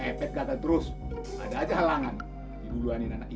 ya mau pasang sendiri